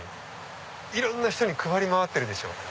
いろんな人に配り回ってるでしょ。